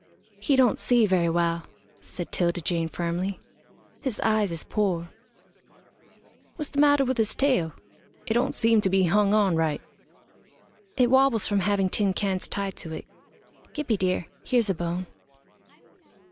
"He don't see very well," said 'Tilda Jane, firmly. "His eyes is poor." "What's the matter with his tail? It don't seem to be hung on right." "It wobbles from having tin cans tied to it. Gippie dear, here's a bone."